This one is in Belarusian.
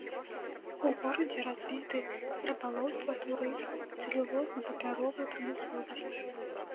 У горадзе развіты рыбалоўства, турызм, цэлюлозна-папяровая прамысловасць.